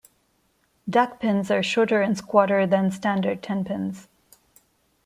Duckpins are shorter and squatter than standard tenpins.